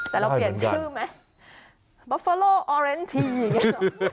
แต่เราเปลี่ยนชื่อไหมบอฟเฟอโลออเรนทีอย่างนี้หรอ